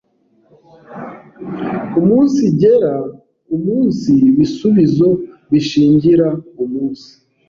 umunsigera umunsi bisubizo bishingira umunsi